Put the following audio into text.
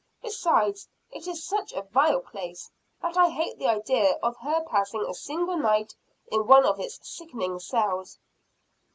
Besides, it is such a vile place, that I hate the idea of her passing a single night in one of its sickening cells."